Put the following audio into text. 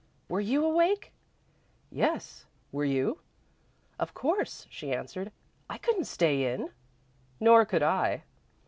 "Were you awake?" "Yes, were you?" "Of course," she answered. "I couldn't stay in." "Nor could I."